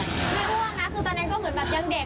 ไม่ห่วงนะคือตอนนั้นก็เหมือนแบบยังเด็ก